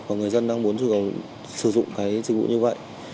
và người dân đang muốn sử dụng cái dịch vụ như vậy